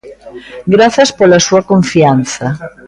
Grazas pola súa confianza.